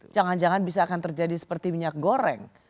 jangan jangan bisa akan terjadi seperti minyak goreng